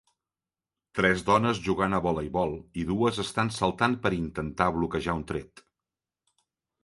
Tres dones jugant a voleibol i dues estan saltant per intentar bloquejar un tret.